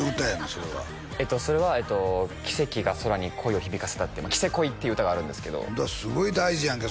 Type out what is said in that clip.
それはそれは「奇跡が空に恋を響かせた」って「キセコイ」っていう歌があるんですけどすごい大事やんけ